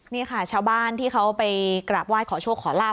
นี่ค่ะชาวบ้านที่เขาไปกราบไหว้ขอโชคขอลาบ